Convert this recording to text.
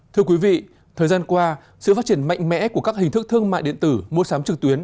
thưa quý vị thời gian qua sự phát triển mạnh mẽ của các hình thức thương mại điện tử mua sắm trực tuyến